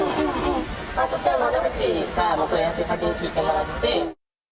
そちらの窓口か、問い合わせ先に聞いてもらって。